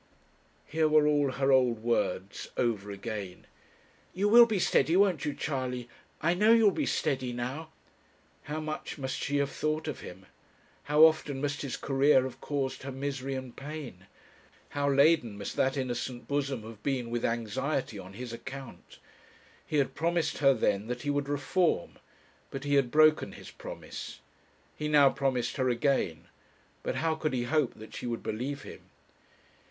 Here were all her old words over again 'You will be steady, won't you, Charley? I know you will be steady, now.' How much must she have thought of him! How often must his career have caused her misery and pain! How laden must that innocent bosom have been with anxiety on his account! He had promised her then that he would reform; but he had broken his promise. He now promised her again, but how could he hope that she would believe him?